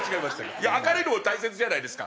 いや明るいのも大切じゃないですか。